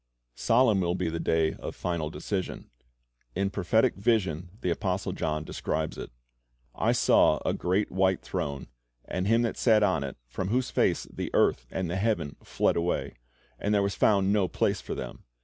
Solemn will be the day of final decision. In prophetic vision the apostle John describes it: "I saw a great white throne, and Him that sat on it, from whose face the earth and the heaven fled away; and there was found no place for them.